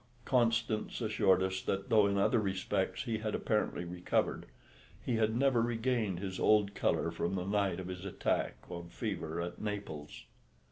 Constance assured us that though in other respects he had apparently recovered, he had never regained his old colour from the night of his attack of fever at Naples.